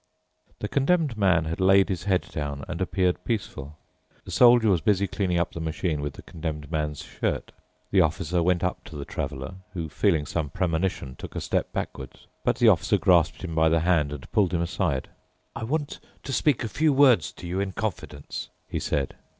The Condemned Man had laid his head down and appeared peaceful. The Soldier was busy cleaning up the machine with the Condemned Man's shirt. The Officer went up to the Traveler, who, feeling some premonition, took a step backwards. But the Officer grasped him by the hand and pulled him aside. "I want to speak a few words to you in confidence," he said.